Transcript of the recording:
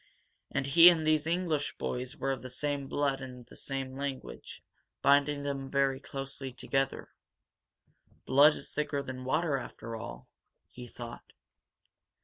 And he and these English boys were of the same blood and the same language, binding them very closely together. "Blood is thicker than water, after all!" he thought.